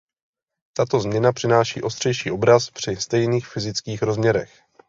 Tato změna přináší ostřejší obraz při stejných fyzických rozměrech.